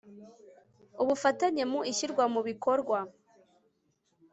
ubufatanye mu ishyirwa mu bikorwa